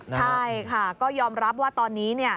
ใช่ค่ะก็ยอมรับว่าตอนนี้เนี่ย